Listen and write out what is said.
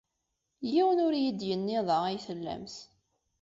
Yiwen ur iyi-d-yenni da ay tellamt.